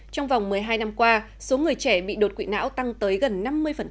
trong vòng một mươi hai năm qua số người trẻ bị đột quỵ não tăng tới gần năm mươi